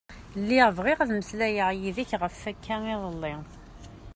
Lliɣ bɣiɣ ad meslayeɣ yid-k ɣef akka iḍelli.